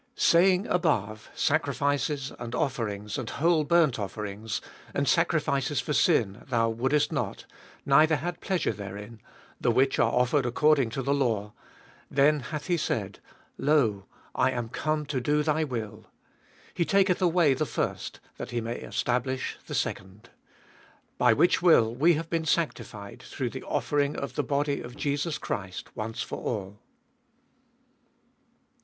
Saying above, Sacrifices and offerings and whole burnt offerings and sacrifices for sin thou wouldest not, neither had pleasure therein (the which are offered according to the law), 9. Then hath he said, Lo, I am come to do thy will. He taketh away the first, that he may establish the second. 10. By which will we have been sanctified through the offering of the body of Jesus Christ once for all.